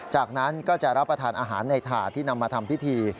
จากนั้นก็จะรับประทานอาหารในถาดที่นำมาทำพิธี